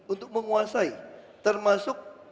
untuk menguasai termasuk